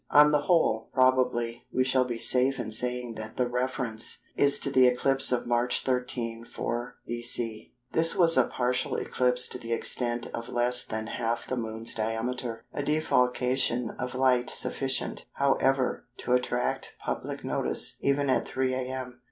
On the whole, probably, we shall be safe in saying that the reference is to the eclipse of March 13, 4 B.C. This was a partial eclipse to the extent of less than half the Moon's diameter, a defalcation of light sufficient, however, to attract public notice even at 3 a.m.